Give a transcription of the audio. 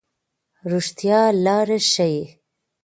رښتیا لار ښيي.